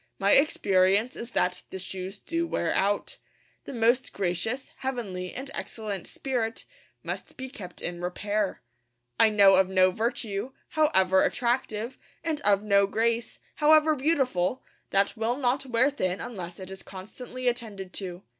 My experience is that the shoes do wear out. The most 'gracious, heavenly, and excellent spirit' must be kept in repair. I know of no virtue, however attractive, and of no grace, however beautiful, that will not wear thin unless it is constantly attended to.